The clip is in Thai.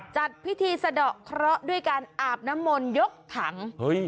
จัดพิธีสะดอกเคราะห์ด้วยการอาบน้ำมนต์ยกถัง